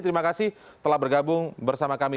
terima kasih telah bergabung bersama kami